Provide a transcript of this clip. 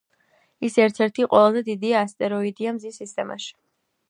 ის ერთ-ერთი ყველაზე დიდი ასტეროიდია მზის სისტემაში.